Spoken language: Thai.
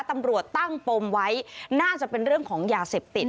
ตำรวจตั้งปมไว้น่าจะเป็นเรื่องของยาเสพติด